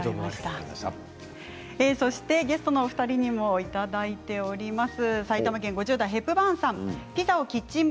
ゲストのお二人にもいただいています。